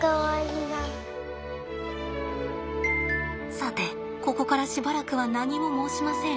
さてここからしばらくは何も申しません。